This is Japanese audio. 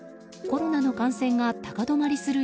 コロナの感染が高止まりする